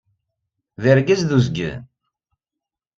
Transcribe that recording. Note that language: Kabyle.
D argaz d uzgen!